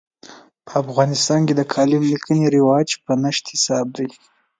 په افغانستان کې د کالم لیکنې رواج په نشت حساب دی.